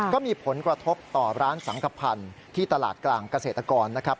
ก็มีผลกระทบต่อร้านสังขพันธ์ที่ตลาดกลางเกษตรกรนะครับ